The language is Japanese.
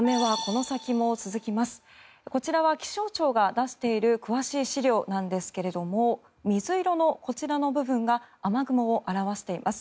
こちらは気象庁が出している詳しい資料なんですが水色のこちらの部分が雨雲を表しています。